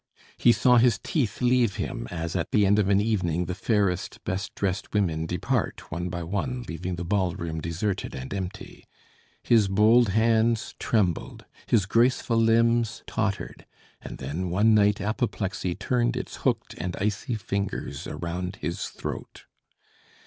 He saw his teeth leave him, as, at the end of an evening, the fairest, best dressed women depart one by one, leaving the ballroom deserted and empty. His bold hands trembled, his graceful limbs tottered, and then one night apoplexy turned its hooked and icy fingers around his throat.